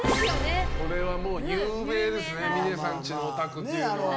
これは有名ですね峰さんちのお宅というのは。